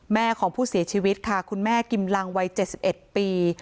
แม่ของผู้เสียชีวิตค่ะคุณแม่กิมลังวัย๗๑ปี